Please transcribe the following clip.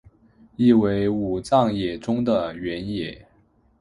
意为武藏野中的原野。